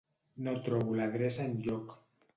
No trobo l'adreça enlloc.